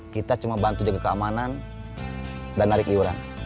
kita cuma bantu jaga keamanan dan narik iuran